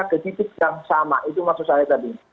kecitik yang sama itu maksud saya tadi